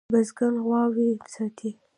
بزگر غواوې ساتي.